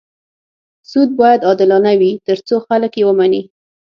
سود باید عادلانه وي تر څو خلک یې ومني.